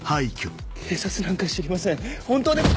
警察なんか知りません本当です。